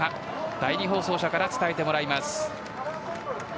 第２放送車から伝えてもらいます。